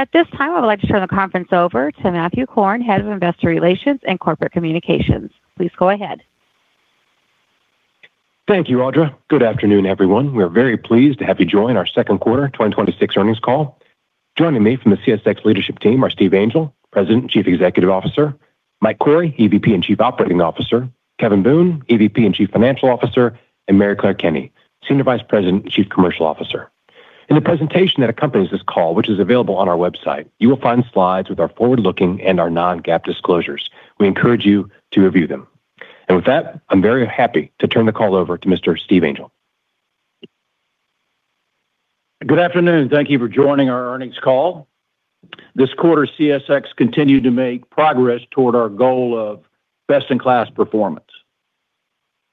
At this time, I would like to turn the conference over to Matthew Korn, Head of Investor Relations and Corporate Communications. Please go ahead. Thank you, Audra. Good afternoon, everyone. We are very pleased to have you join our second quarter 2026 earnings call. Joining me from the CSX leadership team are Steve Angel, President and Chief Executive Officer, Mike Cory, EVP and Chief Operating Officer, Kevin Boone, EVP and Chief Financial Officer, and Maryclare Kenney, Senior Vice President and Chief Commercial Officer. In the presentation that accompanies this call, which is available on our website, you will find slides with our forward-looking and our non-GAAP disclosures. We encourage you to review them. With that, I'm very happy to turn the call over to Mr. Steve Angel. Good afternoon. Thank you for joining our earnings call. This quarter, CSX continued to make progress toward our goal of best-in-class performance.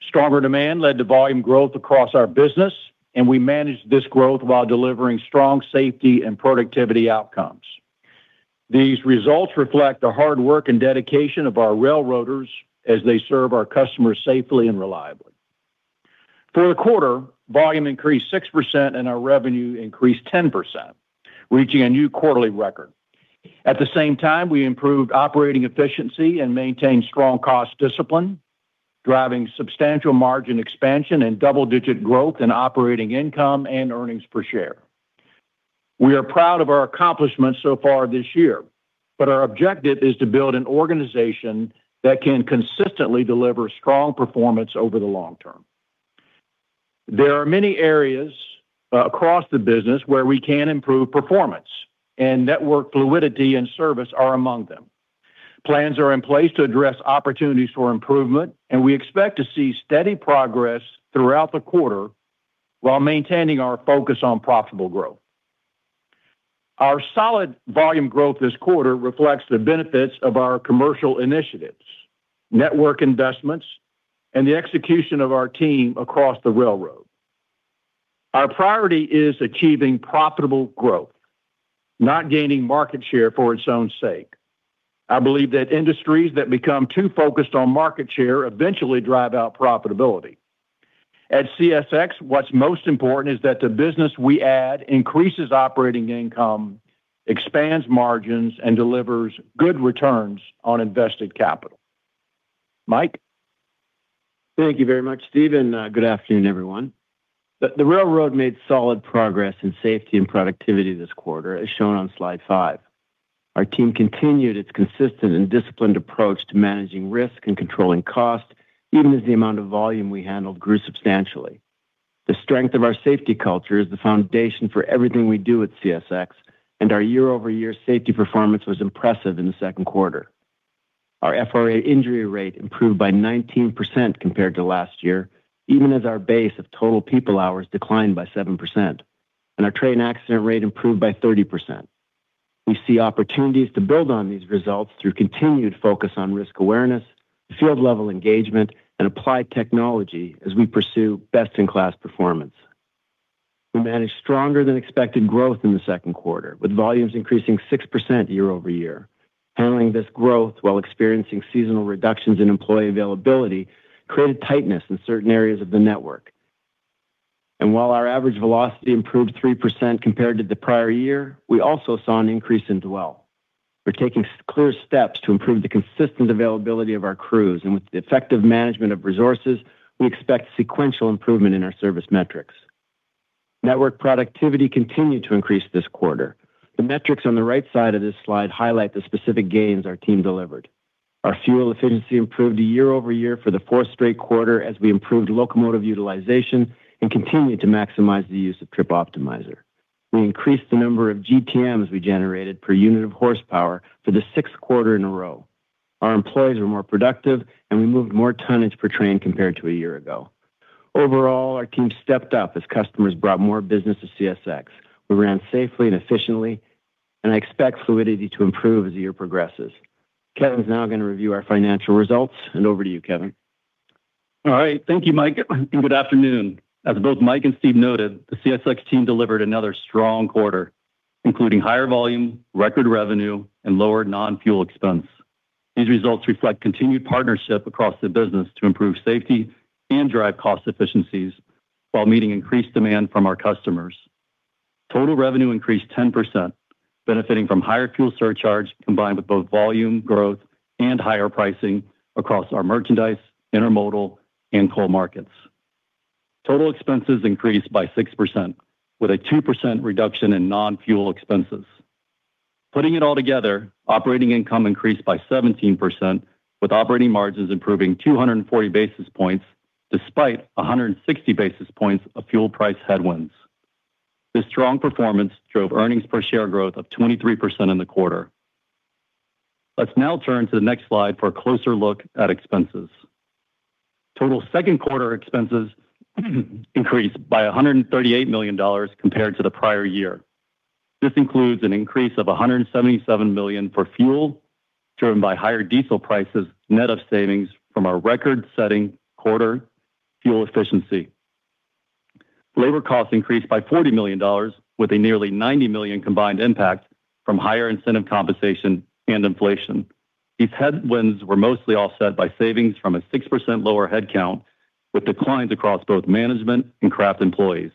Stronger demand led to volume growth across our business, we managed this growth while delivering strong safety and productivity outcomes. These results reflect the hard work and dedication of our railroaders as they serve our customers safely and reliably. For the quarter, volume increased 6% and our revenue increased 10%, reaching a new quarterly record. At the same time, we improved operating efficiency and maintained strong cost discipline, driving substantial margin expansion and double-digit growth in operating income and earnings per share. We are proud of our accomplishments so far this year, our objective is to build an organization that can consistently deliver strong performance over the long term. There are many areas across the business where we can improve performance, network fluidity and service are among them. Plans are in place to address opportunities for improvement, we expect to see steady progress throughout the quarter while maintaining our focus on profitable growth. Our solid volume growth this quarter reflects the benefits of our commercial initiatives, network investments, the execution of our team across the railroad. Our priority is achieving profitable growth, not gaining market share for its own sake. I believe that industries that become too focused on market share eventually drive out profitability. At CSX, what's most important is that the business we add increases operating income, expands margins, and delivers good returns on invested capital. Mike? Thank you very much, Steve, and good afternoon, everyone. The railroad made solid progress in safety and productivity this quarter, as shown on slide five. Our team continued its consistent and disciplined approach to managing risk and controlling cost, even as the amount of volume we handled grew substantially. The strength of our safety culture is the foundation for everything we do at CSX, and our year-over-year safety performance was impressive in the second quarter. Our FRA injury rate improved by 19% compared to last year, even as our base of total people hours declined by 7%, and our train accident rate improved by 30%. We see opportunities to build on these results through continued focus on risk awareness, field-level engagement, and applied technology as we pursue best-in-class performance. We managed stronger than expected growth in the second quarter, with volumes increasing 6% year-over-year. Handling this growth while experiencing seasonal reductions in employee availability created tightness in certain areas of the network. While our average velocity improved 3% compared to the prior year, we also saw an increase in dwell. We're taking clear steps to improve the consistent availability of our crews, and with the effective management of resources, we expect sequential improvement in our service metrics. Network productivity continued to increase this quarter. The metrics on the right side of this slide highlight the specific gains our team delivered. Our fuel efficiency improved year-over-year for the fourth straight quarter as we improved locomotive utilization and continued to maximize the use of Trip Optimizer. We increased the number of GTMs we generated per unit of horsepower for the sixth quarter in a row. Our employees were more productive, and we moved more tonnage per train compared to a year ago. Overall, our team stepped up as customers brought more business to CSX. We ran safely and efficiently. I expect fluidity to improve as the year progresses. Kevin's now going to review our financial results. Over to you, Kevin. All right. Thank you, Mike. Good afternoon. As both Mike and Steve noted, the CSX team delivered another strong quarter, including higher volume, record revenue, and lower non-fuel expense. These results reflect continued partnership across the business to improve safety and drive cost efficiencies while meeting increased demand from our customers. Total revenue increased 10%, benefiting from higher fuel surcharge combined with both volume growth and higher pricing across our merchandise, intermodal, and coal markets. Total expenses increased by 6%, with a 2% reduction in non-fuel expenses. Putting it all together, operating income increased by 17%, with operating margins improving 240 basis points despite 160 basis points of fuel price headwinds. This strong performance drove earnings per share growth of 23% in the quarter. Let's now turn to the next slide for a closer look at expenses. Total second quarter expenses increased by $138 million compared to the prior year. This includes an increase of $177 million for fuel, driven by higher diesel prices, net of savings from our record-setting quarter fuel efficiency. Labor costs increased by $40 million with a nearly $90 million combined impact from higher incentive compensation and inflation. These headwinds were mostly offset by savings from a 6% lower headcount, with declines across both management and craft employees.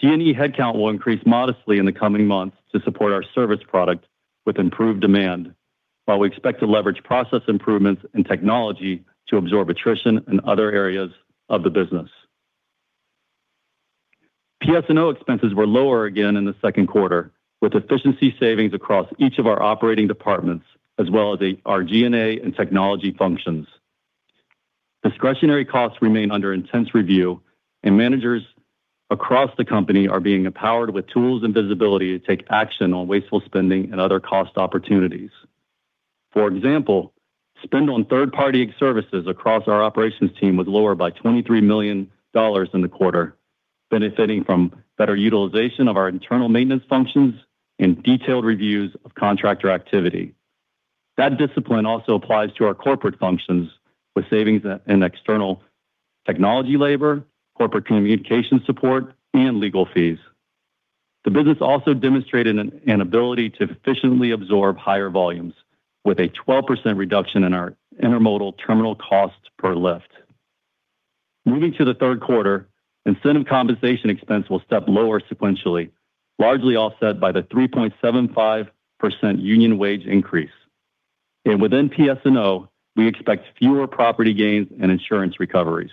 T&E headcount will increase modestly in the coming months to support our service product with improved demand, while we expect to leverage process improvements and technology to absorb attrition in other areas of the business. PS&O expenses were lower again in the second quarter, with efficiency savings across each of our operating departments, as well as our G&A and technology functions. Discretionary costs remain under intense review, managers across the company are being empowered with tools and visibility to take action on wasteful spending and other cost opportunities. For example, spend on third-party services across our operations team was lower by $23 million in the quarter, benefiting from better utilization of our internal maintenance functions and detailed reviews of contractor activity. That discipline also applies to our corporate functions with savings in external technology labor, corporate communication support, and legal fees. The business also demonstrated an ability to efficiently absorb higher volumes with a 12% reduction in our intermodal terminal costs per lift. Moving to the third quarter, incentive compensation expense will step lower sequentially, largely offset by the 3.75% union wage increase. Within PS&O, we expect fewer property gains and insurance recoveries,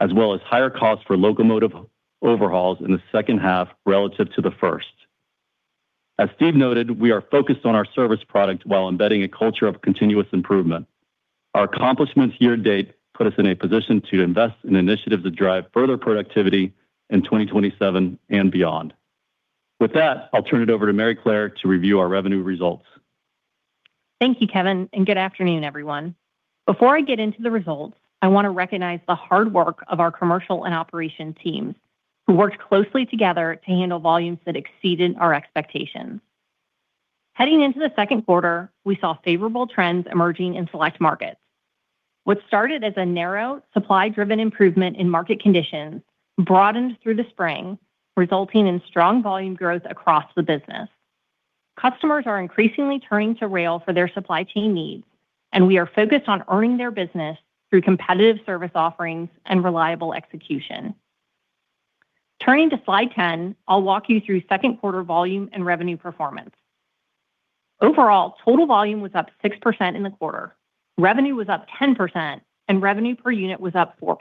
as well as higher costs for locomotive overhauls in the second half relative to the first. As Steve noted, we are focused on our service product while embedding a culture of continuous improvement. Our accomplishments year-to-date put us in a position to invest in initiatives that drive further productivity in 2027 and beyond. With that, I'll turn it over to Maryclare to review our revenue results. Thank you, Kevin, and good afternoon, everyone. Before I get into the results, I want to recognize the hard work of our commercial and operations teams, who worked closely together to handle volumes that exceeded our expectations. Heading into the second quarter, we saw favorable trends emerging in select markets. What started as a narrow, supply-driven improvement in market conditions broadened through the spring, resulting in strong volume growth across the business. Customers are increasingly turning to rail for their supply chain needs, and we are focused on earning their business through competitive service offerings and reliable execution. Turning to slide 10, I'll walk you through second quarter volume and revenue performance. Overall, total volume was up 6% in the quarter. Revenue was up 10%, and revenue per unit was up 4%.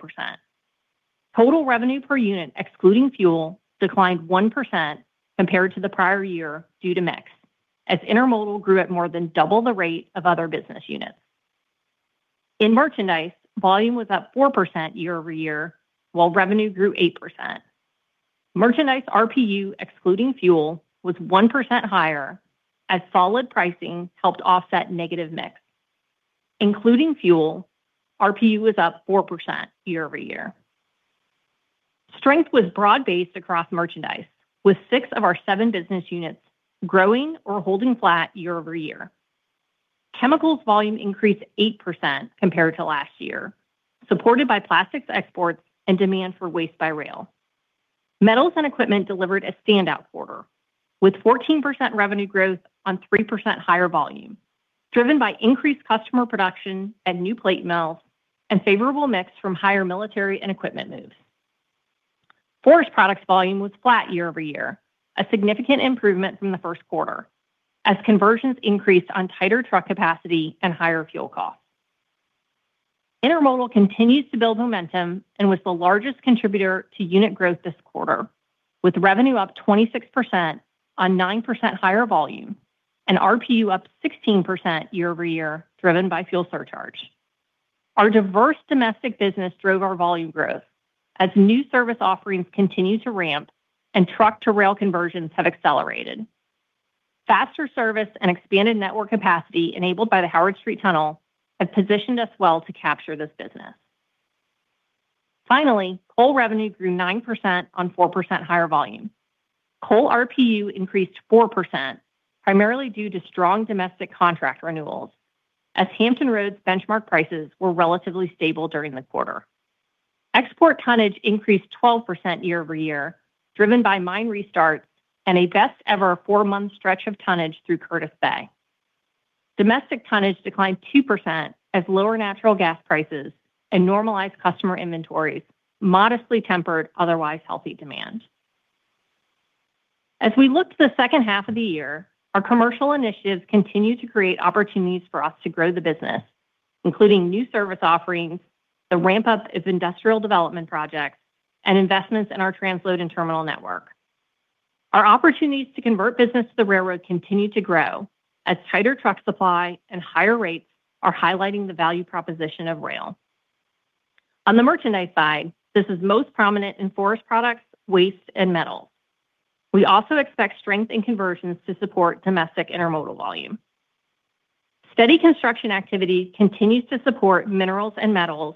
Total revenue per unit, excluding fuel, declined 1% compared to the prior year due to mix, as intermodal grew at more than double the rate of other business units. In merchandise, volume was up 4% year-over-year, while revenue grew 8%. Merchandise RPU, excluding fuel, was 1% higher as solid pricing helped offset negative mix. Including fuel, RPU was up 4% year-over-year. Strength was broad-based across merchandise, with six of our seven business units growing or holding flat year-over-year. Chemicals volume increased 8% compared to last year, supported by plastics exports and demand for waste by rail. Metals and equipment delivered a standout quarter, with 14% revenue growth on 3% higher volume, driven by increased customer production at new plate mills and favorable mix from higher military and equipment moves. Forest Products volume was flat year-over-year, a significant improvement from the first quarter, as conversions increased on tighter truck capacity and higher fuel costs. Intermodal continues to build momentum and was the largest contributor to unit growth this quarter, with revenue up 26% on 9% higher volume and RPU up 16% year-over-year, driven by fuel surcharge. Our diverse domestic business drove our volume growth as new service offerings continue to ramp and truck-to-rail conversions have accelerated. Faster service and expanded network capacity enabled by the Howard Street Tunnel have positioned us well to capture this business. Finally, coal revenue grew 9% on 4% higher volume. Coal RPU increased 4%, primarily due to strong domestic contract renewals, as Hampton Roads benchmark prices were relatively stable during the quarter. Export tonnage increased 12% year-over-year, driven by mine restarts and a best-ever four-month stretch of tonnage through Curtis Bay. Domestic tonnage declined 2% as lower natural gas prices and normalized customer inventories modestly tempered otherwise healthy demand. As we look to the second half of the year, our commercial initiatives continue to create opportunities for us to grow the business, including new service offerings, the ramp-up of industrial development projects, and investments in our transload and terminal network. Our opportunities to convert business to the railroad continue to grow as tighter truck supply and higher rates are highlighting the value proposition of rail. On the merchandise side, this is most prominent in forest products, waste, and metals. We also expect strength in conversions to support domestic intermodal volume. Steady construction activity continues to support minerals and metals.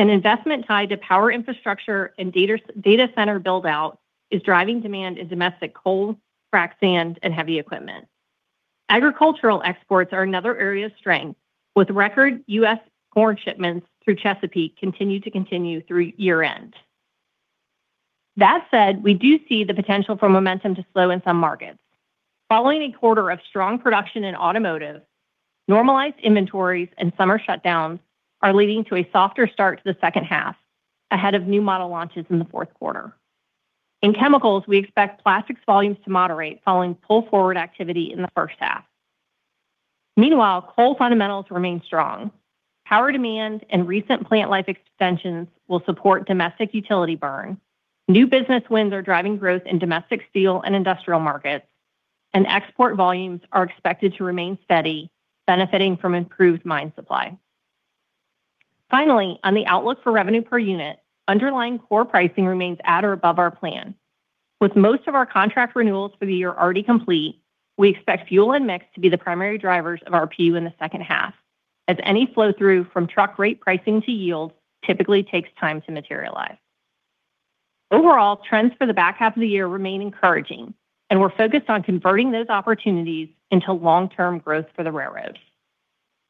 An investment tied to power infrastructure and data center build-out is driving demand in domestic coal, frac sand, and heavy equipment. Agricultural exports are another area of strength, with record U.S. corn shipments through Chesapeake continue to continue through year-end. That said, we do see the potential for momentum to slow in some markets. Following a quarter of strong production in automotive, normalized inventories and summer shutdowns are leading to a softer start to the second half ahead of new model launches in the fourth quarter. In chemicals, we expect plastics volumes to moderate following pull-forward activity in the first half. Meanwhile, coal fundamentals remain strong. Power demand and recent plant life extensions will support domestic utility burn. New business wins are driving growth in domestic steel and industrial markets, and export volumes are expected to remain steady, benefiting from improved mine supply. Finally, on the outlook for revenue per unit, underlying core pricing remains at or above our plan. With most of our contract renewals for the year already complete, we expect fuel and mix to be the primary drivers of RPU in the second half, as any flow-through from truck rate pricing to yield typically takes time to materialize. Overall, trends for the back half of the year remain encouraging, and we're focused on converting those opportunities into long-term growth for the railroad.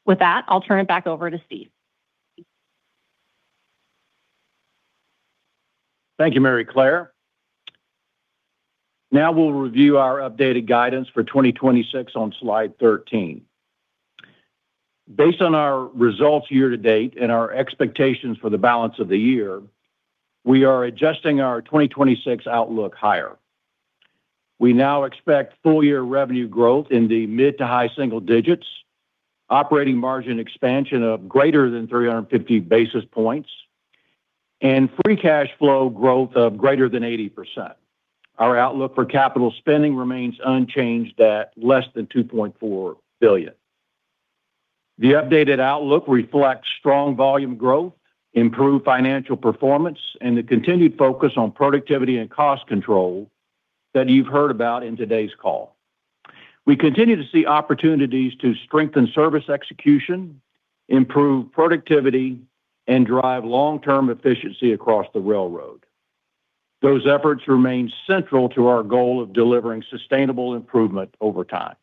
With that, I'll turn it back over to Steve. Thank you, Maryclare. Now we'll review our updated guidance for 2026 on slide 13. Based on our results year-to-date and our expectations for the balance of the year, we are adjusting our 2026 outlook higher. We now expect full-year revenue growth in the mid to high single digits, operating margin expansion of greater than 350 basis points, and free cash flow growth of greater than 80%. Our outlook for capital spending remains unchanged at less than $2.4 billion. The updated outlook reflects strong volume growth, improved financial performance, and the continued focus on productivity and cost control that you've heard about in today's call. We continue to see opportunities to strengthen service execution, improve productivity, and drive long-term efficiency across the railroad. Those efforts remain central to our goal of delivering sustainable improvement over time.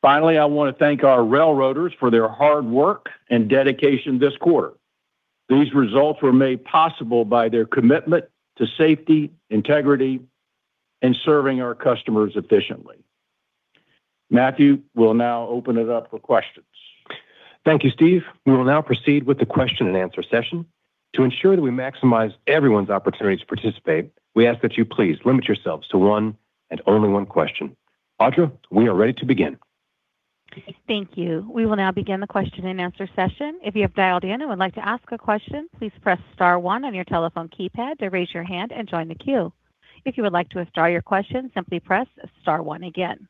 Finally, I want to thank our railroaders for their hard work and dedication this quarter. These results were made possible by their commitment to safety, integrity, and serving our customers efficiently. Matthew will now open it up for questions. Thank you, Steve. We will now proceed with the question and answer session. To ensure that we maximize everyone's opportunity to participate, we ask that you please limit yourselves to one and only one question. Audra, we are ready to begin. Thank you. We will now begin the question and answer session. If you have dialed in and would like to ask a question, please press star one on your telephone keypad to raise your hand and join the queue. If you would like to withdraw your question, simply press star one again.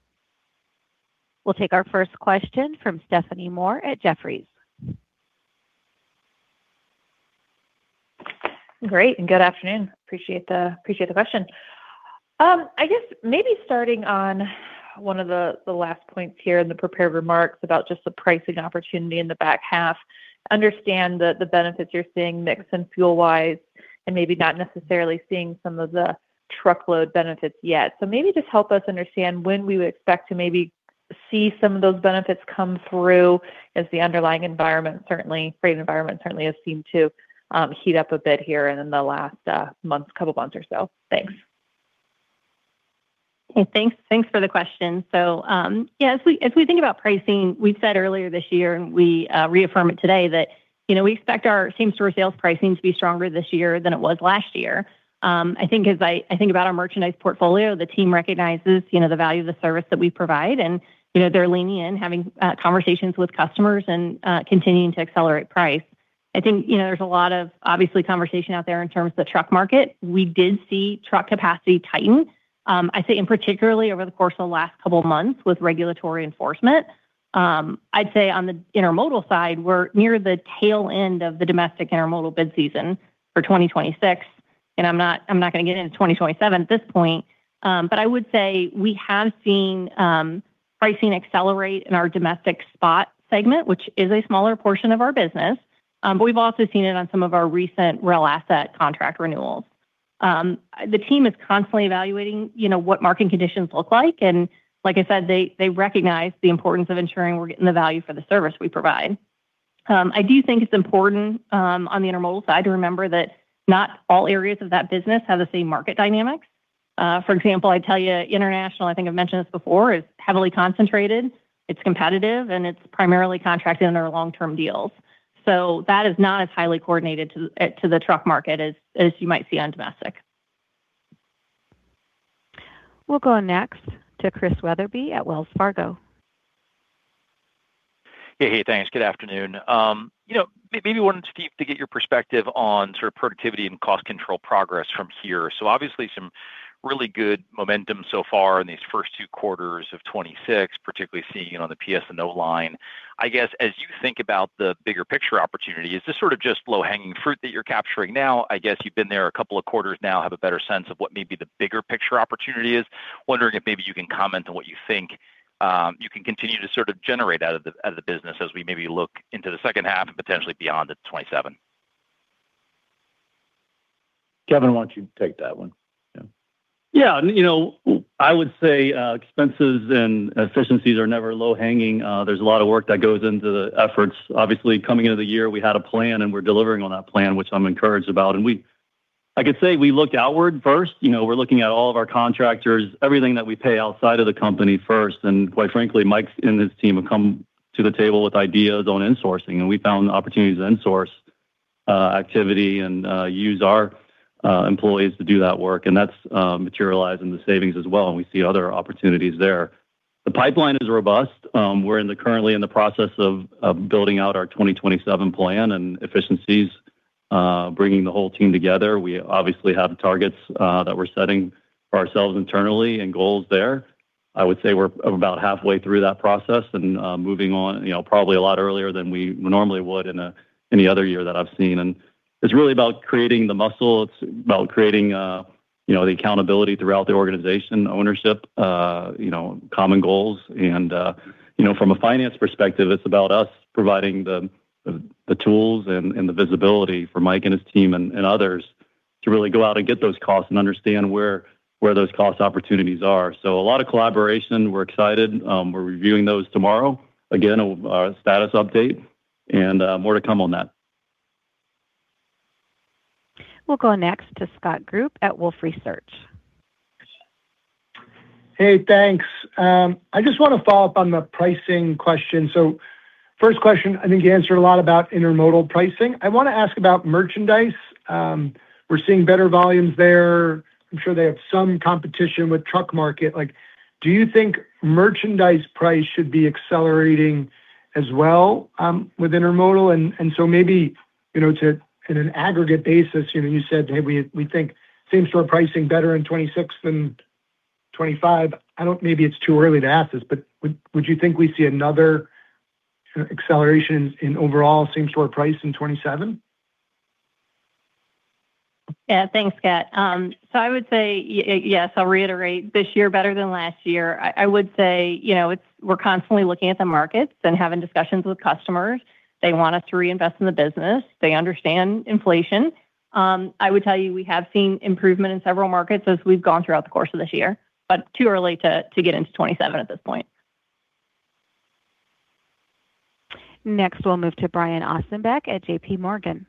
We'll take our first question from Stephanie Moore at Jefferies. Great. Good afternoon. Appreciate the question. I guess maybe starting on one of the last points here in the prepared remarks about just the pricing opportunity in the back half, understand the benefits you're seeing mix and fuel-wise, and maybe not necessarily seeing some of the truckload benefits yet. Maybe just help us understand when we would expect to maybe see some of those benefits come through as the underlying freight environment certainly has seemed to heat up a bit here in the last couple of months or so. Thanks. Thanks for the question. Yeah, as we think about pricing, we've said earlier this year, and we reaffirm it today, that we expect our same-store sales pricing to be stronger this year than it was last year. I think as I think about our merchandise portfolio, the team recognizes the value of the service that we provide, and they're leaning in, having conversations with customers and continuing to accelerate price. I think there's a lot of, obviously, conversation out there in terms of the truck market. We did see truck capacity tighten, I'd say, and particularly over the course of the last couple of months with regulatory enforcement. I'd say on the intermodal side, we're near the tail end of the domestic intermodal bid season for 2026. I'm not going to get into 2027 at this point, but I would say we have seen pricing accelerate in our domestic spot segment, which is a smaller portion of our business. We've also seen it on some of our recent rail asset contract renewals. The team is constantly evaluating what marketing conditions look like, and like I said, they recognize the importance of ensuring we're getting the value for the service we provide. I do think it's important, on the intermodal side, to remember that not all areas of that business have the same market dynamics. For example, I'd tell you international, I think I've mentioned this before, is heavily concentrated, it's competitive, and it's primarily contracted under long-term deals. That is not as highly coordinated to the truck market as you might see on domestic. We'll go next to Chris Wetherbee at Wells Fargo. Hey, thanks. Good afternoon. Maybe wanted, Steve, to get your perspective on productivity and cost control progress from here. Obviously, some really good momentum so far in these first two quarters of 2026, particularly seeing it on the PS&O line. I guess, as you think about the bigger picture opportunity, is this sort of just low-hanging fruit that you're capturing now? I guess you've been there a couple of quarters now, have a better sense of what maybe the bigger picture opportunity is. Wondering if maybe you can comment on what you think you can continue to generate out of the business as we maybe look into the second half and potentially beyond to 2027. Kevin, why don't you take that one? Yeah. Yeah. I would say expenses and efficiencies are never low-hanging. There's a lot of work that goes into the efforts. Obviously, coming into the year, we had a plan, and we're delivering on that plan, which I'm encouraged about. I could say we looked outward first. We're looking at all of our contractors, everything that we pay outside of the company first. Quite frankly, Mike and his team have come to the table with ideas on insourcing. We found opportunities to insource activity and use our employees to do that work. That's materialized into savings as well. We see other opportunities there. The pipeline is robust. We're currently in the process of building out our 2027 plan and efficiencies, bringing the whole team together. We obviously have targets that we're setting for ourselves internally and goals there. I would say we're about halfway through that process and moving on probably a lot earlier than we normally would in any other year that I've seen. It's really about creating the muscle. It's about creating the accountability throughout the organization, ownership, common goals. From a finance perspective, it's about us providing the tools and the visibility for Mike and his team and others to really go out and get those costs and understand where those cost opportunities are. A lot of collaboration. We're excited. We're reviewing those tomorrow. Again, our status update and more to come on that. We'll go next to Scott Group at Wolfe Research. Hey, thanks. I just want to follow up on the pricing question. First question, I think you answered a lot about intermodal pricing. I want to ask about merchandise. We're seeing better volumes there. I'm sure they have some competition with truck market. Do you think merchandise price should be accelerating as well with intermodal? Maybe, in an aggregate basis, you said, "Hey, we think same-store pricing better in 2026 than 2025." Maybe it's too early to ask this, but would you think we see another acceleration in overall same-store price in 2027? Yeah. Thanks, Scott. I would say yes, I'll reiterate, this year better than last year. I would say, we're constantly looking at the markets and having discussions with customers. They want us to reinvest in the business. They understand inflation. I would tell you, we have seen improvement in several markets as we've gone throughout the course of this year, but too early to get into 2027 at this point. Next, we'll move to Brian Ossenbeck at JPMorgan.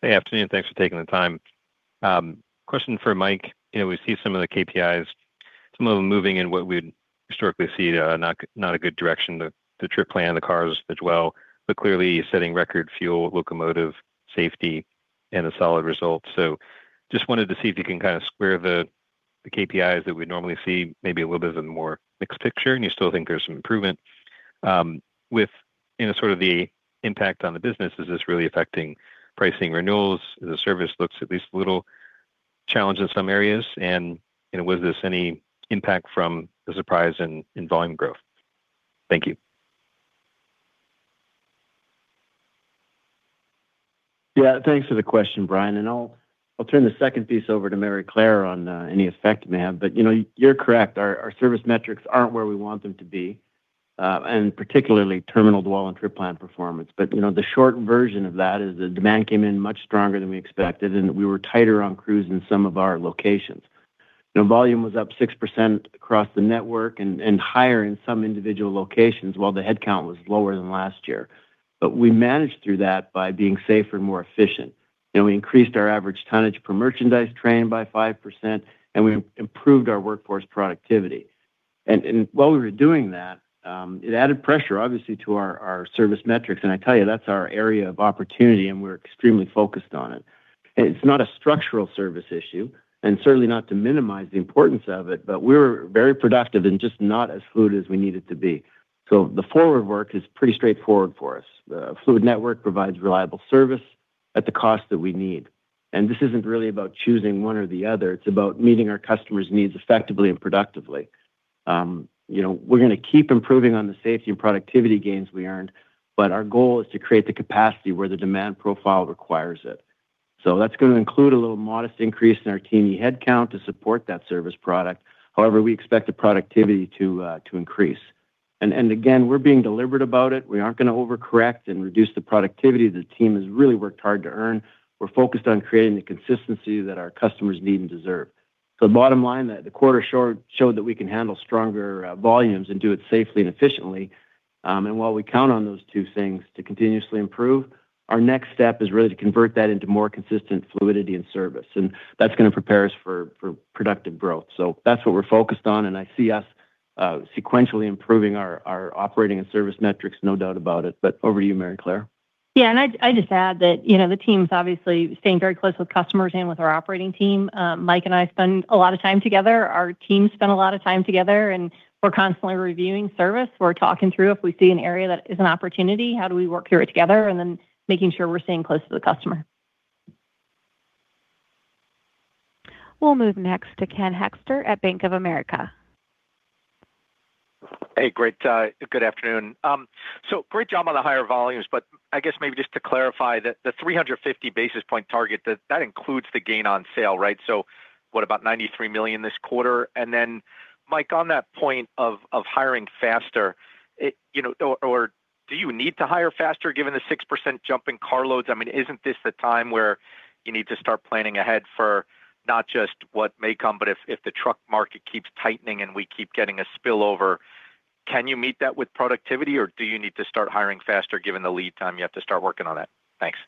Hey, afternoon. Thanks for taking the time. Question for Mike. We see some of the KPIs, some of them moving in what we would historically see not a good direction, the trip plan, the cars as well, but clearly setting record fuel, locomotive safety, and a solid result. Just wanted to see if you can square the KPIs that we'd normally see maybe a little bit of a more mixed picture, and you still think there's some improvement. With sort of the impact on the business, is this really affecting pricing renewals? The service looks at least a little challenged in some areas, and was this any impact from the surprise in volume growth? Thank you. Yeah. Thanks for the question, Brian, and I'll turn the second piece over to Maryclare on any effect it may have. You're correct. Our service metrics aren't where we want them to be, and particularly terminal dwell and trip plan performance. The short version of that is the demand came in much stronger than we expected, and we were tighter on crews in some of our locations. Volume was up 6% across the network and higher in some individual locations while the headcount was lower than last year. We managed through that by being safer and more efficient, and we increased our average tonnage per merchandise train by 5%, and we improved our workforce productivity. While we were doing that, it added pressure, obviously, to our service metrics, and I tell you, that's our area of opportunity, and we're extremely focused on it. It's not a structural service issue, and certainly not to minimize the importance of it, but we're very productive and just not as fluid as we needed to be. The forward work is pretty straightforward for us. The fluid network provides reliable service at the cost that we need. This isn't really about choosing one or the other. It's about meeting our customers' needs effectively and productively. We're going to keep improving on the safety and productivity gains we earned, but our goal is to create the capacity where the demand profile requires it. That's going to include a little modest increase in our team head count to support that service product. However, we expect the productivity to increase. Again, we're being deliberate about it. We aren't going to overcorrect and reduce the productivity the team has really worked hard to earn. We're focused on creating the consistency that our customers need and deserve. Bottom line, the quarter showed that we can handle stronger volumes and do it safely and efficiently. While we count on those two things to continuously improve, our next step is really to convert that into more consistent fluidity and service, and that's going to prepare us for productive growth. That's what we're focused on, and I see us sequentially improving our operating and service metrics, no doubt about it. Over to you, Maryclare. I'd just add that the team's obviously staying very close with customers and with our operating team. Mike and I spend a lot of time together. Our teams spend a lot of time together, we're constantly reviewing service. We're talking through if we see an area that is an opportunity, how do we work through it together, making sure we're staying close to the customer. We'll move next to Ken Hoexter at Bank of America. Hey. Good afternoon. Great job on the higher volumes, but I guess maybe just to clarify, the 350 basis points target, that includes the gain on sale, right? What, about $93 million this quarter? Mike, on that point of hiring faster or do you need to hire faster given the 6% jump in car loads? Isn't this the time where you need to start planning ahead for not just what may come, but if the truck market keeps tightening and we keep getting a spillover, can you meet that with productivity or do you need to start hiring faster given the lead time you have to start working on it? Thanks.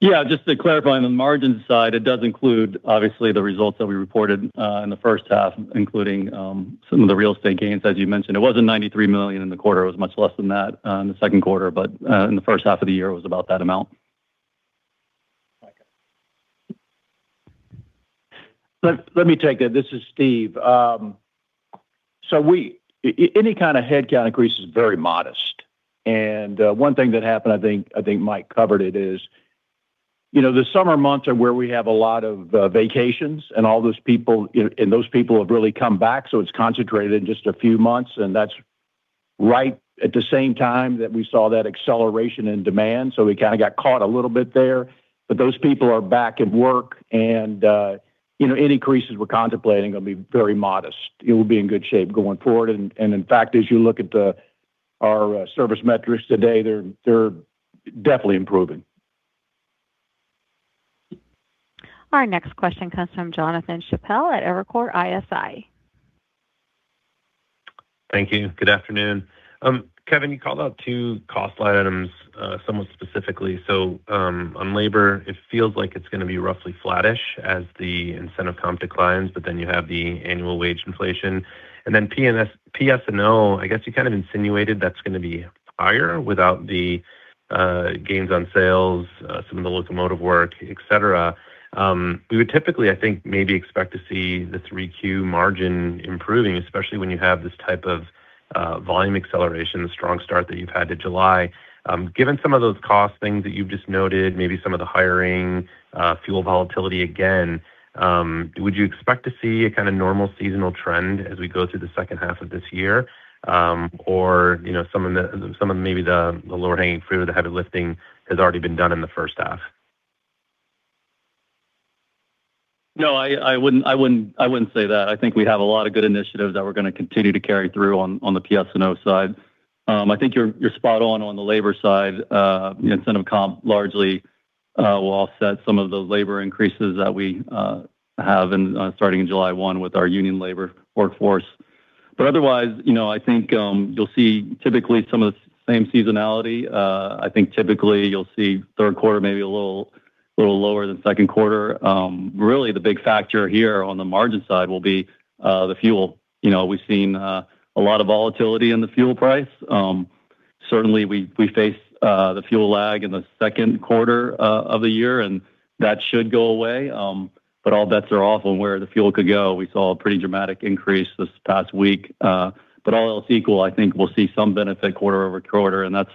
Yeah, just to clarify, on the margin side, it does include obviously the results that we reported in the first half, including some of the real estate gains, as you mentioned. It wasn't $93 million in the quarter. It was much less than that in the second quarter. In the first half of the year, it was about that amount. Okay. Let me take that. This is Steve. Any kind of headcount increase is very modest. One thing that happened, I think Mike covered it, is the summer months are where we have a lot of vacations, so those people have really come back, so it's concentrated in just a few months, and that's right at the same time that we saw that acceleration in demand. We kind of got caught a little bit there, but those people are back at work and any increases we're contemplating are going to be very modest. It will be in good shape going forward and, in fact, as you look at our service metrics today, they're definitely improving. Our next question comes from Jonathan Chappell at Evercore ISI. Thank you. Good afternoon. Kevin, you called out two cost line items somewhat specifically. On labor it feels like it's going to be roughly flattish as the incentive comp declines, but then you have the annual wage inflation. PS&O, I guess you kind of insinuated that's going to be higher without the gains on sales, some of the locomotive work, et cetera. We would typically, I think, maybe expect to see the 3Q margin improving, especially when you have this type of volume acceleration, the strong start that you've had to July. Given some of those cost things that you've just noted, maybe some of the hiring, fuel volatility again, would you expect to see a kind of normal seasonal trend as we go through the second half of this year? Some of maybe the lower hanging fruit or the heavy lifting has already been done in the first half? No, I wouldn't say that. I think we have a lot of good initiatives that we're going to continue to carry through on the PS&O side. I think you're spot on the labor side. Incentive comp largely will offset some of the labor increases that we have starting July 1 with our union labor workforce. Otherwise, I think you'll see typically some of the same seasonality. I think typically you'll see third quarter maybe a little lower than second quarter. Really the big factor here on the margin side will be the fuel. We've seen a lot of volatility in the fuel price. Certainly we faced the fuel lag in the second quarter of the year, and that should go away. All bets are off on where the fuel could go. We saw a pretty dramatic increase this past week. All else equal, I think we'll see some benefit quarter-over-quarter, and that's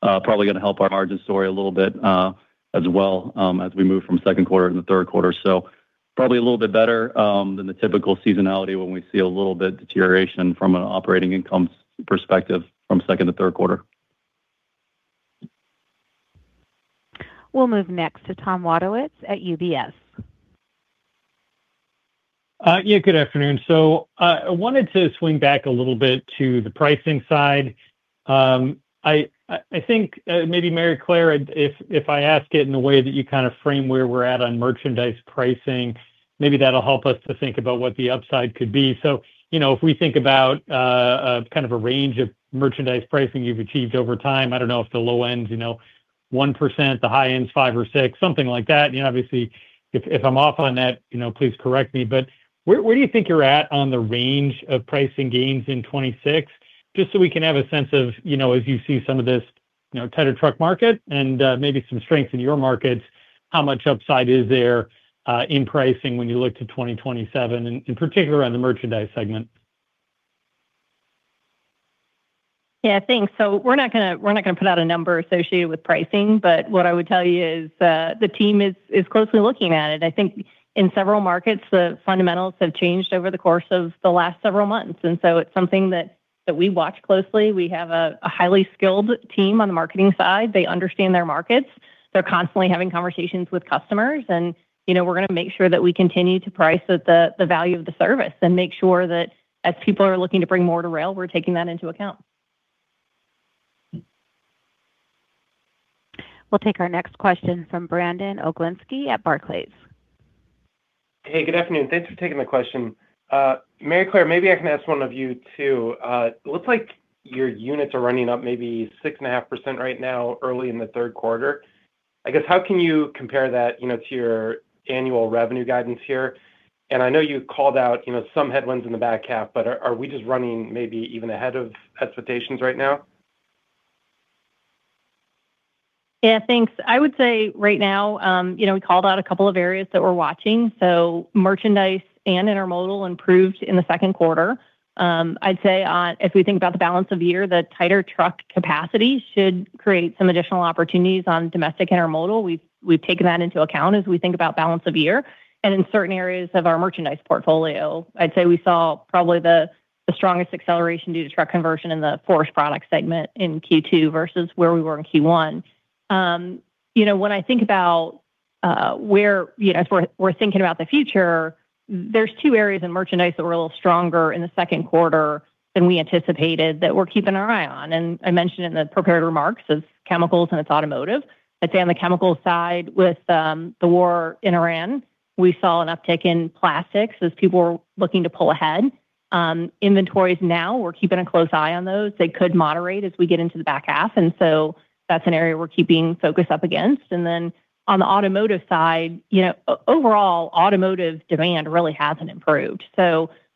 probably going to help our margin story a little bit as well as we move from second quarter into third quarter. Probably a little bit better than the typical seasonality when we see a little bit deterioration from an operating income perspective from second to third quarter. We'll move next to Tom Wadewitz at UBS. Yeah, good afternoon. I wanted to swing back a little bit to the pricing side. I think maybe Maryclare, if I ask it in a way that you frame where we're at on merchandise pricing, maybe that'll help us to think about what the upside could be. If we think about a range of merchandise pricing you've achieved over time, I don't know if the low end's 1%, the high end's 5% or 6%, something like that. Obviously, if I'm off on that, please correct me. Where do you think you're at on the range of pricing gains in 2026? Just so we can have a sense of, as you see some of this tighter truck market and maybe some strength in your markets, how much upside is there in pricing when you look to 2027, in particular on the merchandise segment? Yeah, thanks. We're not going to put out a number associated with pricing, what I would tell you is the team is closely looking at it. I think in several markets, the fundamentals have changed over the course of the last several months, it's something that we watch closely. We have a highly skilled team on the marketing side. They understand their markets. They're constantly having conversations with customers, we're going to make sure that we continue to price at the value of the service and make sure that as people are looking to bring more to rail, we're taking that into account. We'll take our next question from Brandon Oglenski at Barclays. Hey, good afternoon. Thanks for taking the question. Maryclare, maybe I can ask one of you, too. It looks like your units are running up maybe 6.5% right now early in the third quarter. How can you compare that to your annual revenue guidance here? I know you called out some headwinds in the back half, are we just running maybe even ahead of expectations right now? Yeah, thanks. Right now, we called out a couple of areas that we're watching. Merchandise and intermodal improved in the second quarter. If we think about the balance of the year, the tighter truck capacity should create some additional opportunities on domestic intermodal. We've taken that into account as we think about balance of year. In certain areas of our merchandise portfolio, we saw probably the strongest acceleration due to truck conversion in the forest product segment in Q2 versus where we were in Q1. As we're thinking about the future, there's two areas in merchandise that were a little stronger in the second quarter than we anticipated that we're keeping our eye on. I mentioned in the prepared remarks, is chemicals and it's automotive. On the chemical side, with the war in Iran, we saw an uptick in plastics as people were looking to pull ahead. Inventories now, we're keeping a close eye on those. They could moderate as we get into the back half, that's an area we're keeping focus up against. On the automotive side, overall automotive demand really hasn't improved.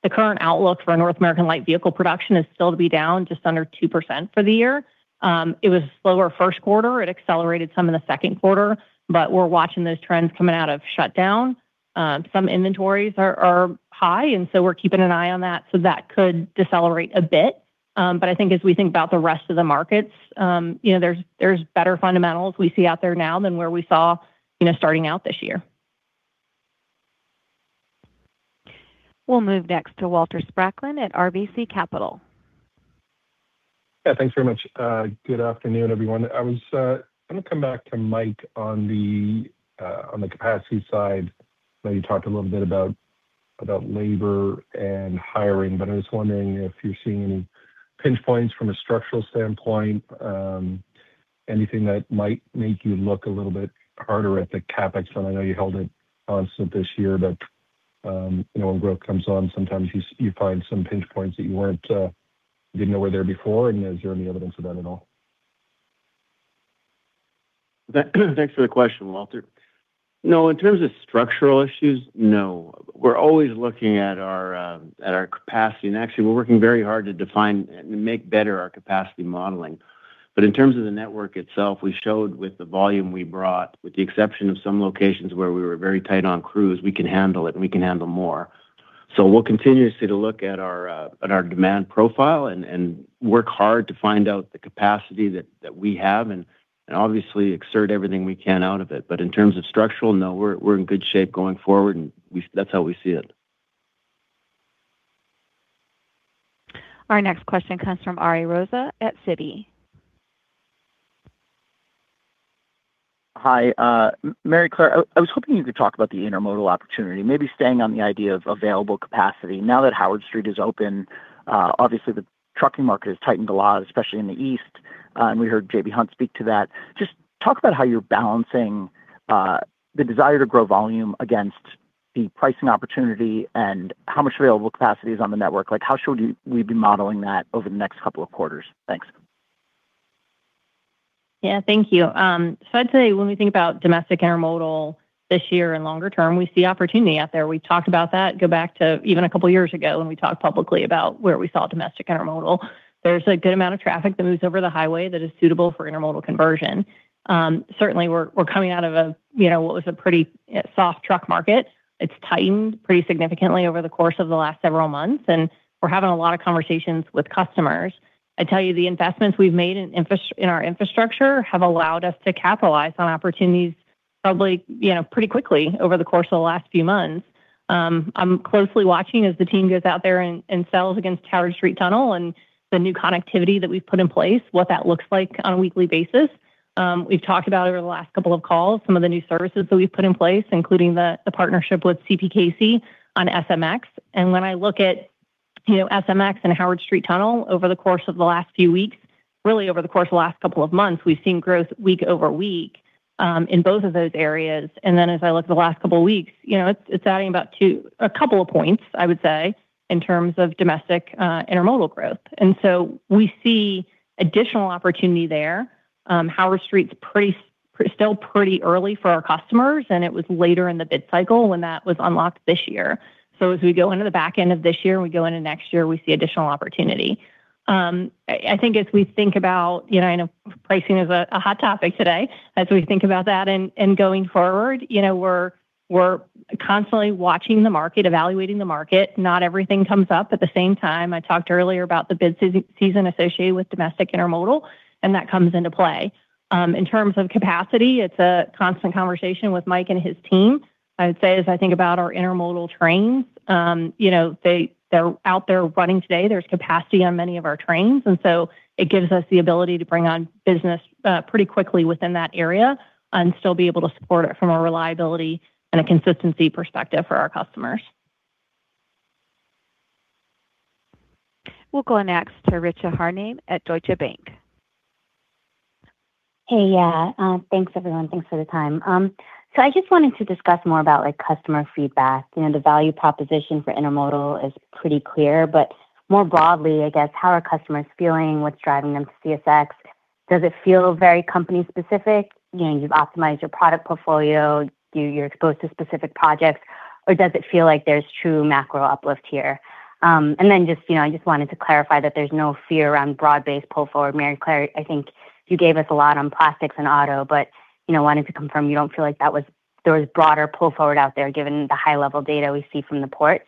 The current outlook for North American light vehicle production is still to be down just under 2% for the year. It was slower first quarter. It accelerated some in the second quarter, we're watching those trends coming out of shutdown. Some inventories are high, we're keeping an eye on that. That could decelerate a bit. I think as we think about the rest of the markets, there's better fundamentals we see out there now than where we saw starting out this year. We'll move next to Walter Spracklin at RBC Capital. Yeah, thanks very much. Good afternoon, everyone. I was going to come back to Mike on the capacity side. I know you talked a little bit about labor and hiring, but I was wondering if you're seeing any pinch points from a structural standpoint, anything that might make you look a little bit harder at the CapEx. I know you held it constant this year, but when growth comes on, sometimes you find some pinch points that you didn't know were there before, and is there any evidence of that at all? Thanks for the question, Walter. No, in terms of structural issues, no. We're always looking at our capacity, and actually we're working very hard to define and make better our capacity modeling. In terms of the network itself, we showed with the volume we brought, with the exception of some locations where we were very tight on crews, we can handle it and we can handle more. We'll continuously look at our demand profile and work hard to find out the capacity that we have and obviously exert everything we can out of it. In terms of structural, no, we're in good shape going forward, and that's how we see it. Our next question comes from Ari Rosa at Citi. Hi, Maryclare, I was hoping you could talk about the intermodal opportunity, maybe staying on the idea of available capacity. Now that Howard Street is open, obviously the trucking market has tightened a lot, especially in the East, and we heard J.B. Hunt speak to that. Just talk about how you're balancing the desire to grow volume against the pricing opportunity and how much available capacity is on the network. How should we be modeling that over the next couple of quarters? Thanks. Thank you. I'd say when we think about domestic intermodal this year and longer term, we see opportunity out there. We talked about that, go back to even a couple of years ago when we talked publicly about where we saw domestic intermodal. There's a good amount of traffic that moves over the highway that is suitable for intermodal conversion. Certainly, we're coming out of what was a pretty soft truck market. It's tightened pretty significantly over the course of the last several months, and we're having a lot of conversations with customers. I tell you, the investments we've made in our infrastructure have allowed us to capitalize on opportunities probably pretty quickly over the course of the last few months. I'm closely watching as the team goes out there and sells against Howard Street Tunnel and the new connectivity that we've put in place, what that looks like on a weekly basis. We've talked about over the last couple of calls, some of the new services that we've put in place, including the partnership with CPKC on SMX. When I look at SMX and Howard Street Tunnel over the course of the last few weeks, really over the course of the last couple of months, we've seen growth week over week in both of those areas. As I look at the last couple of weeks, it's adding about a couple of points, I would say, in terms of domestic intermodal growth. We see additional opportunity there. Howard Street's still pretty early for our customers, and it was later in the bid cycle when that was unlocked this year. As we go into the back end of this year and we go into next year, we see additional opportunity. I know pricing is a hot topic today. As we think about that and going forward, we're constantly watching the market, evaluating the market. Not everything comes up at the same time. I talked earlier about the bid season associated with domestic intermodal, and that comes into play. In terms of capacity, it's a constant conversation with Mike and his team. I would say, as I think about our intermodal trains, they're out there running today. There's capacity on many of our trains, it gives us the ability to bring on business pretty quickly within that area and still be able to support it from a reliability and a consistency perspective for our customers. We'll go next to Richa Harnain at Deutsche Bank. Hey. Thanks, everyone. Thanks for the time. I just wanted to discuss more about customer feedback. The value proposition for intermodal is pretty clear, but more broadly, I guess, how are customers feeling? What's driving them to CSX? Does it feel very company specific? You've optimized your product portfolio, you're exposed to specific projects, or does it feel like there's true macro uplift here? I just wanted to clarify that there's no fear around broad-based pull forward. Maryclare, I think you gave us a lot on plastics and auto, but wanted to confirm you don't feel like there was broader pull forward out there given the high level data we see from the ports.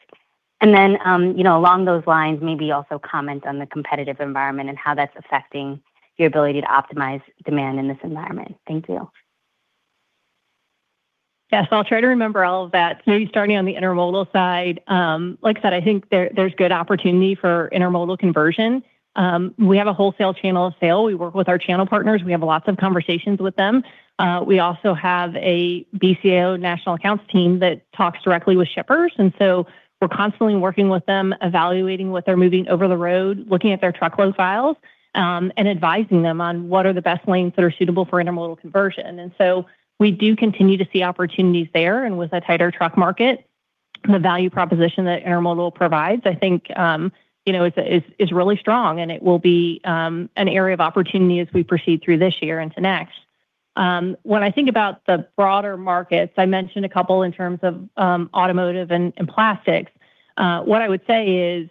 Along those lines, maybe also comment on the competitive environment and how that's affecting your ability to optimize demand in this environment. Thank you. Yes, I'll try to remember all of that. Starting on the intermodal side, like I said, I think there's good opportunity for intermodal conversion. We have a wholesale channel of sale. We work with our channel partners. We have lots of conversations with them. We also have a BCO national accounts team that talks directly with shippers. We're constantly working with them, evaluating what they're moving over the road, looking at their truckload files, and advising them on what are the best lanes that are suitable for intermodal conversion. We do continue to see opportunities there. With a tighter truck market, the value proposition that intermodal provides, I think, is really strong, and it will be an area of opportunity as we proceed through this year into next. When I think about the broader markets, I mentioned a couple in terms of automotive and plastics. What I would say is,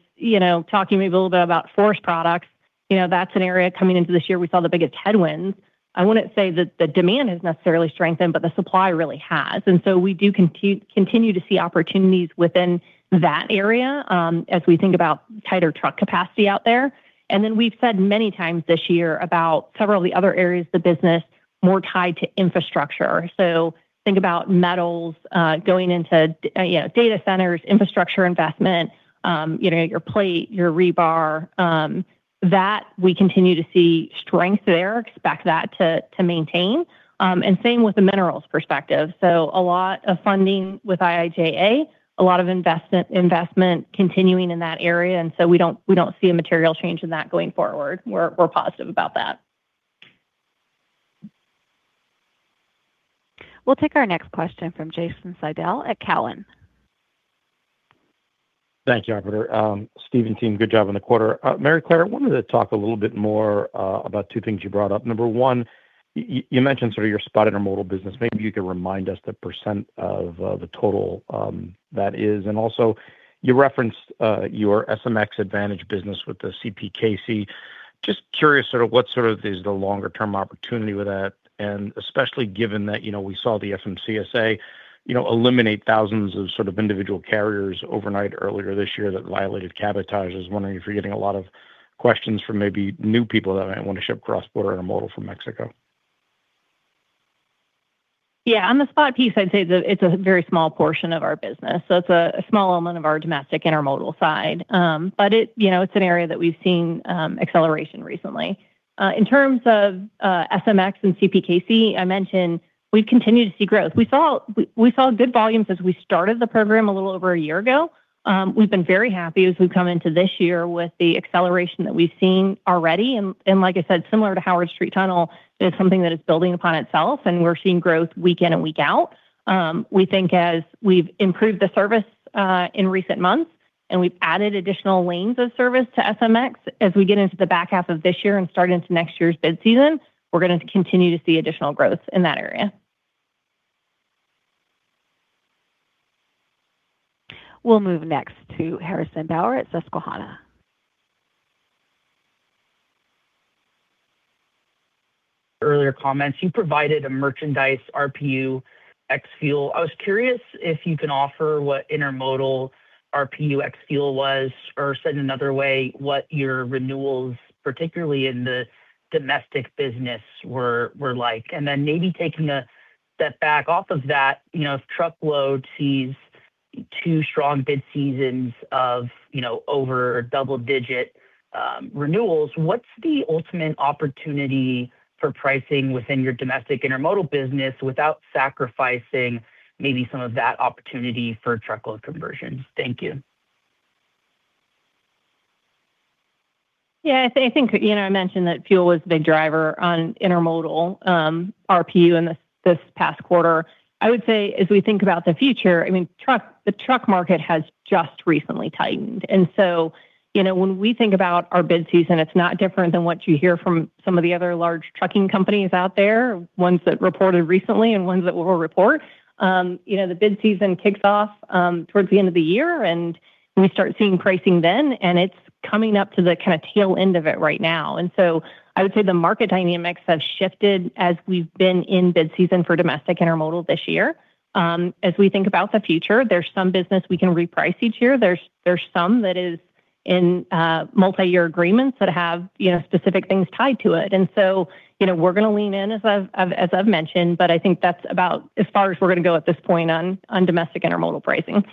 talking maybe a little bit about forest products, that's an area coming into this year we saw the biggest headwinds. I wouldn't say that the demand has necessarily strengthened, but the supply really has. We do continue to see opportunities within that area as we think about tighter truck capacity out there. We've said many times this year about several of the other areas of the business more tied to infrastructure. Think about metals, going into data centers, infrastructure investment, your plate, your rebar, that we continue to see strength there, expect that to maintain. Same with the minerals perspective. A lot of funding with IIJA, a lot of investment continuing in that area. We don't see a material change in that going forward. We're positive about that. We'll take our next question from Jason Seidl at Cowen. Thank you, operator. Steve team, good job on the quarter. Maryclare, I wanted to talk a little bit more about two things you brought up. Number one, you mentioned sort of your spot intermodal business. Maybe you could remind us the percent of the total that is. You referenced your SMX Advantage business with the CPKC. Just curious what sort of is the longer term opportunity with that? Given that we saw the FMCSA eliminate thousands of individual carriers overnight earlier this year that violated cabotage. I was wondering if you're getting a lot of questions from maybe new people that might want to ship cross-border intermodal from Mexico. On the spot piece, I'd say that it's a very small portion of our business. It's a small element of our domestic intermodal side. It's an area that we've seen acceleration recently. In terms of SMX and CPKC, I mentioned we've continued to see growth. We saw good volumes as we started the program a little over 1 year ago. We've been very happy as we've come into this year with the acceleration that we've seen already. Like I said, similar to Howard Street Tunnel, it is something that is building upon itself, and we're seeing growth week in and week out. We think as we've improved the service in recent months, we've added additional lanes of service to SMX as we get into the back half of this year and start into next year's bid season, we're going to continue to see additional growth in that area. We'll move next to Harrison Bauer at Susquehanna. Earlier comments, you provided a merchandise RPU ex-fuel. I was curious if you can offer what intermodal RPU ex-fuel was, or said another way, what your renewals, particularly in the domestic business, were like. Then maybe taking a step back off of that, if truckload sees two strong bid seasons of over double-digit renewals, what's the ultimate opportunity for pricing within your domestic intermodal business without sacrificing maybe some of that opportunity for truckload conversions? Thank you. Yeah, I think I mentioned that fuel was a big driver on intermodal RPU in this past quarter. I would say as we think about the future, the truck market has just recently tightened. When we think about our bid season, it's not different than what you hear from some of the other large trucking companies out there, ones that reported recently and ones that will report. The bid season kicks off towards the end of the year and we start seeing pricing then, and it's coming up to the tail end of it right now. I would say the market dynamics have shifted as we've been in bid season for domestic intermodal this year. As we think about the future, there's some business we can reprice each year. There's some that is in multi-year agreements that have specific things tied to it. We're going to lean in, as I've mentioned, but I think that's about as far as we're going to go at this point on domestic intermodal pricing.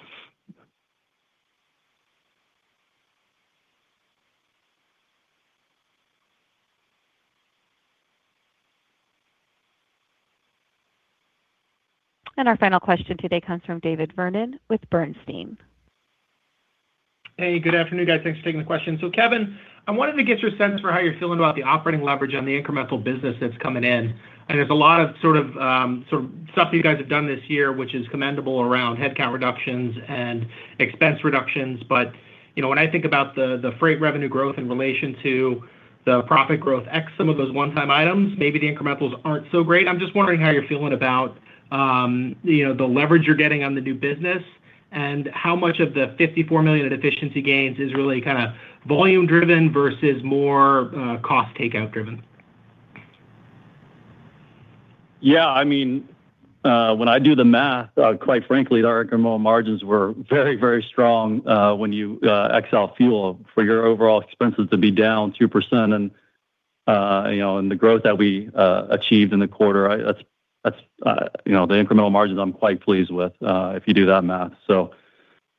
Our final question today comes from David Vernon with Bernstein. Hey, good afternoon, guys. Thanks for taking the question. Kevin, I wanted to get your sense for how you're feeling about the operating leverage on the incremental business that's coming in. There's a lot of stuff that you guys have done this year, which is commendable around headcount reductions and expense reductions. But when I think about the freight revenue growth in relation to the profit growth ex some of those one time items, maybe the incrementals aren't so great. I'm just wondering how you're feeling about the leverage you're getting on the new business and how much of the $54 million of efficiency gains is really volume driven versus more cost takeout driven. Yeah, when I do the math, quite frankly, our incremental margins were very strong when you ex-fuel for your overall expenses to be down 2%. The growth that we achieved in the quarter, the incremental margins I'm quite pleased with, if you do that math.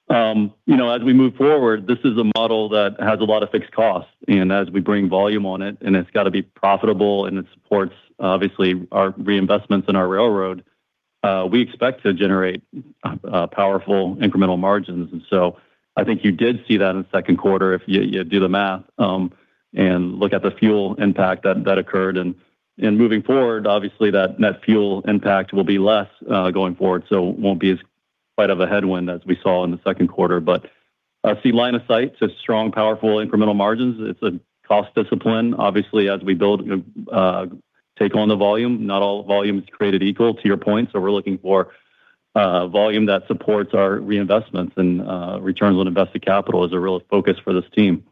As we move forward, this is a model that has a lot of fixed costs, and as we bring volume on it, and it's got to be profitable and it supports, obviously, our reinvestments in our railroad, we expect to generate powerful incremental margins. I think you did see that in the second quarter if you do the math, and look at the fuel impact that occurred. Moving forward, obviously, that net fuel impact will be less, going forward. It won't be as quite of a headwind as we saw in the second quarter. I see line of sight to strong, powerful, incremental margins. It's a cost discipline. Obviously, as we build, take on the volume, not all volume is created equal, to your point. We're looking for volume that supports our reinvestments, and returns on invested capital is a real focus for this team.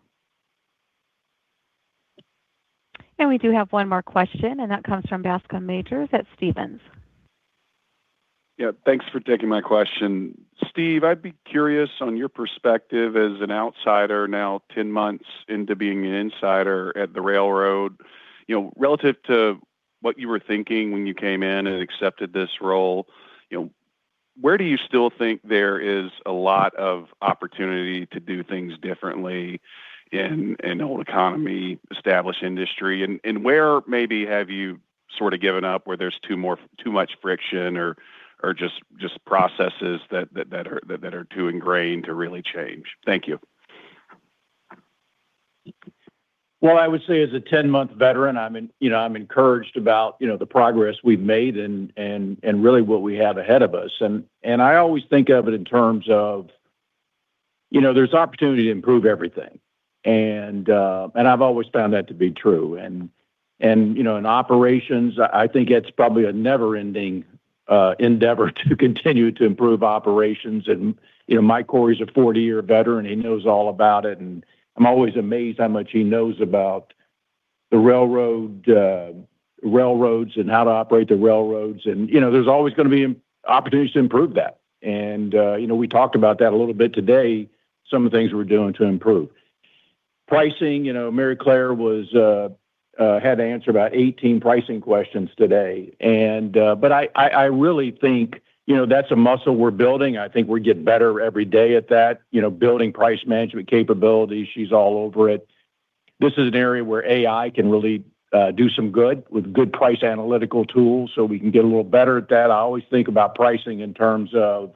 We do have one more question, and that comes from Bascome Majors at Stephens. Yeah. Thanks for taking my question. Steve, I'd be curious on your perspective as an outsider now 10 months into being an insider at the railroad. Relative to what you were thinking when you came in and accepted this role, where do you still think there is a lot of opportunity to do things differently in an old economy, established industry? Where, maybe, have you sort of given up where there's too much friction or just processes that are too ingrained to really change? Thank you. Well, I would say as a 10 month veteran, I'm encouraged about the progress we've made and really what we have ahead of us. I always think of it in terms of there's opportunity to improve everything, and I've always found that to be true. In operations, I think it's probably a never-ending endeavor to continue to improve operations. Mike Cory's a 40-year veteran, he knows all about it, and I'm always amazed how much he knows about the railroads and how to operate the railroads. There's always going to be opportunities to improve that. We talked about that a little bit today, some of the things we're doing to improve. Pricing, Maryclare had to answer about 18 pricing questions today. I really think that's a muscle we're building. I think we're getting better every day at that. Building price management capability, she's all over it. This is an area where AI can really do some good with good price analytical tools so we can get a little better at that. I always think about pricing in terms of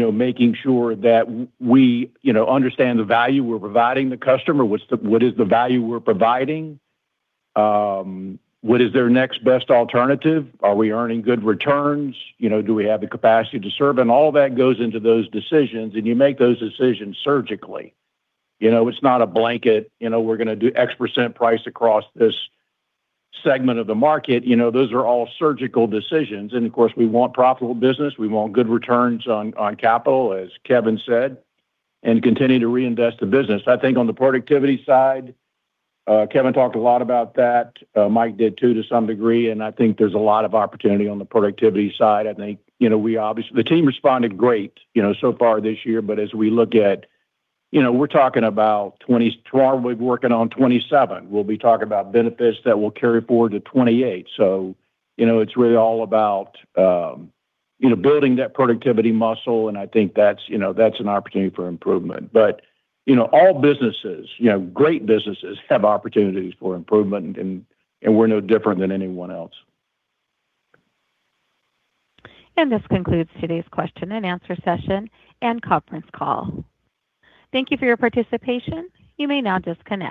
making sure that we understand the value we're providing the customer. What is the value we're providing? What is their next best alternative? Are we earning good returns? Do we have the capacity to serve? All that goes into those decisions, and you make those decisions surgically. It's not a blanket, we're going to do X% price across this segment of the market. Those are all surgical decisions. Of course, we want profitable business. We want good returns on capital, as Kevin said, and continue to reinvest the business. I think on the productivity side, Kevin talked a lot about that. Mike did, too, to some degree. I think there's a lot of opportunity on the productivity side. The team responded great so far this year, but as we look at, we're talking about we're working on 2027. We'll be talking about benefits that will carry forward to 2028. It's really all about building that productivity muscle, and I think that's an opportunity for improvement. All businesses, great businesses, have opportunities for improvement, and we're no different than anyone else. This concludes today's question and answer session and conference call. Thank you for your participation. You may now disconnect.